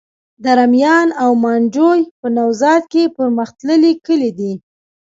دره میان او ميانجوی په نوزاد کي پرمختللي کلي دي.